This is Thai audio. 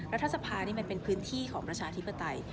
รัฐสภานี่มันเป็นพื้นที่ของประชาธิปไตย